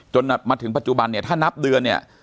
จนถึงปัจจุบันเนี่ยถ้านับเดือนเนี่ย